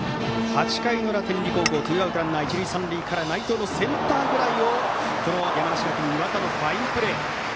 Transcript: ８回の裏、天理高校ツーアウトランナー一塁三塁から内藤のセンターフライを山梨学院、岩田のファインプレー。